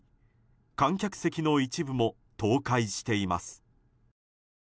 観客席の一部も倒壊しています。